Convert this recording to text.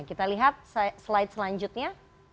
kita lihat slide selanjutnya